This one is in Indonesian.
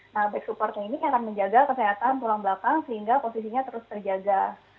nah back supportnya ini akan menjaga kesehatan tulang belakang sehingga posisinya terus terjaga